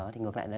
thì ngược lại